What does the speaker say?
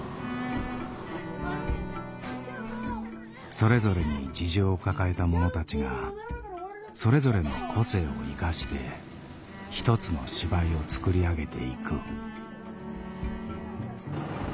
それぞれに事情を抱えた者たちがそれぞれの個性を生かして一つの芝居を作り上げていく。